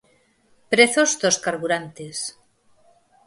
Prezos dos carburantes.